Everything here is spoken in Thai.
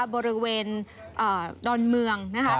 บริเวณดอนเมืองนะครับ